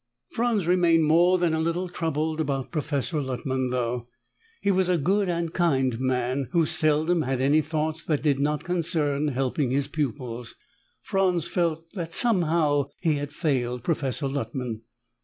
Franz remained more than a little troubled about Professor Luttman, though. He was a good and kind man who seldom had any thoughts that did not concern helping his pupils. Franz felt that somehow he had failed Professor Luttman.